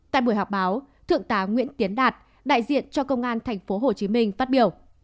tại buổi họp báo thượng tá nguyễn tiến đạt đại diện cho công an tp hcm phát biểu